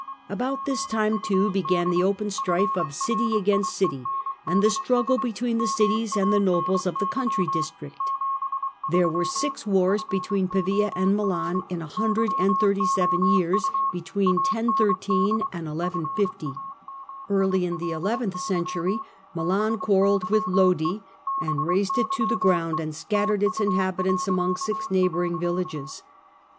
About this time, too, began the open strife of city against city, and the struggle between the cities and the nobles of the country districts. There were six wars between Pavia and Milan in a hundred and thirty seven years (1013 1150). Early in the eleventh century Milan quarrelled with Lodi, and razed it to the ground, and scattered its inhabitants among six neighbouring villages.